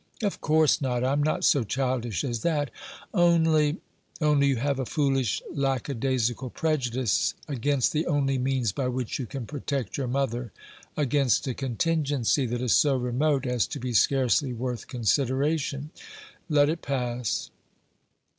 "Of course not, I am not so childish as that; only " "Only you have a foolish lackadaisical prejudice against the only means by which you can protect your mother against a contingency that is so remote as to be scarcely worth consideration. Let it pass."